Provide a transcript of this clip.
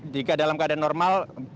jika dalam keadaan normal